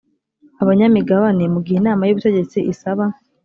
abanyamigabane mu gihe inama y ubutegetsi isaba